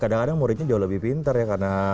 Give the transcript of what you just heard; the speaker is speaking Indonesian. kadang kadang muridnya jauh lebih pinter ya karena